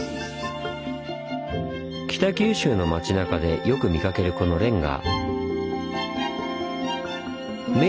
北九州の町なかでよく見かけるこのレンガ。